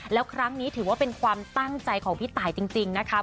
แล้วครั้งนี้ถือว่าเป็นความตั้งใจของพี่ตายจริงนะคะ